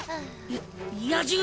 や野獣だ！